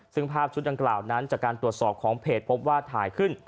ซึ่งภาพชุดดังกล่าวนั้นจากการตรวจสอบของเพจพบว่าถ่ายขึ้น